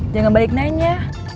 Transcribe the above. jangan balik nanya